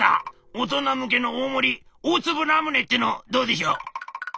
大人向けの大盛り大粒ラムネっていうのどうでしょう？」。